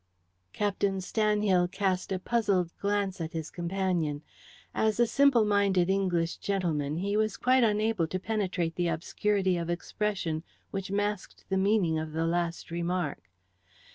Captain Stanhill cast a puzzled glance at his companion. As a simple minded English gentleman he was quite unable to penetrate the obscurity of expression which masked the meaning of the last remark.